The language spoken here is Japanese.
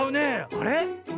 あれ？